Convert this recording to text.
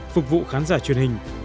phục vụ khán giả truyền hình